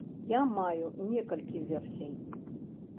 Я маю некалькі версій.